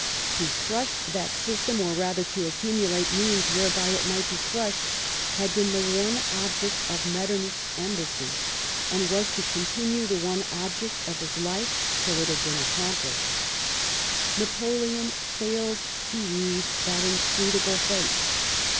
To crush that system, or rather to accumulate means whereby it might be crushed, had been the one object of Metternich's embassy, and was to continue the one object of his life till it had been accomplished. Napoleon failed to read that inscrutable face.